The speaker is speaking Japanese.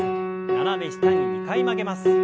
斜め下に２回曲げます。